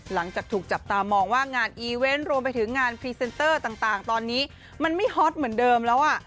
หลังจากถูกจับตามองว่างานอีเวนต์รวมไปถึงงานพรีเซนเตอร์ต่างตอนนี้มันไม่ฮอตเหมือนเดิมแล้วอ่ะ